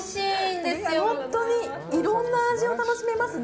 いろんな味を楽しめますね。